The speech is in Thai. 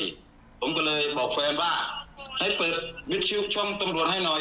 ผมก็เลยบอกแฟนว่าให้เปิดมิดชิวช่องตำรวจให้หน่อย